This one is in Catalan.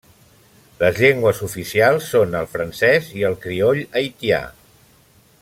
Les llengües oficials són el francès i el crioll haitià.